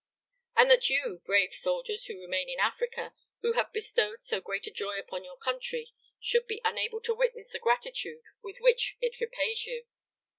And that you, brave soldiers who remain in Africa, who have bestowed so great a joy upon your country, should be unable to witness the gratitude with which it repays you!